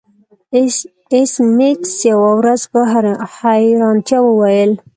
ایس میکس یوه ورځ په حیرانتیا وویل